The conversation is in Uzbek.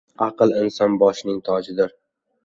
• Aql inson boshining tojidir.